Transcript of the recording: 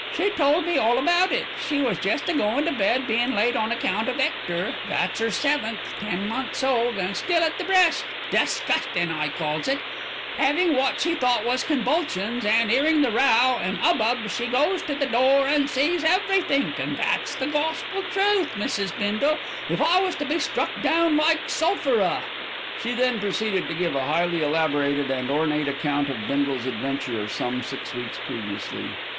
"She told me all about it. She was jest a goin' to bed, bein' late on account of 'Ector, that's 'er seventh, ten months old an' still at the breast, disgustin' I calls it, 'avin' wot she thought was convulsions, an' 'earin' the row an' 'ubbub, she goes to the door an' sees everythink, an' that's the gospel truth, Mrs. Bindle, if I was to be struck down like Sulphira." She then proceeded to give a highly elaborated and ornate account of Bindle's adventure of some six weeks previously.